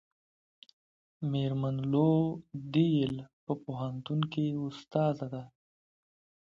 میرمن لو د ییل په پوهنتون کې استاده ده.